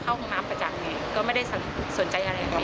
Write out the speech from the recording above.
ใช่ครับผมจะหยิกอีกหน่อย